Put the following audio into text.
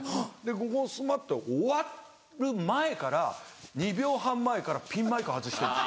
「ゴゴスマ！」って終わる前から２秒半前からピンマイク外してるんです。